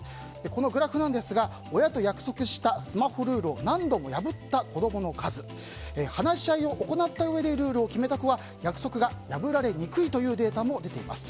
このグラフは、親と約束したスマホルールを何度も破った子供の数話し合いを行ったうえでルールを決めた子は約束が破られにくいというデータも出ています。